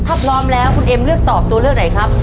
ถ้าพร้อมแล้วคุณเอ็มเลือกตอบตัวเลือกไหนครับ